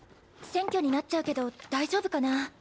選挙になっちゃうけど大丈夫かな。